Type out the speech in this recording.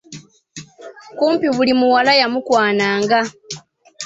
Kumpi buli muwala yamukwananga.